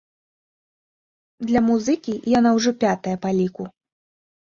Для музыкі яна ўжо пятая па ліку.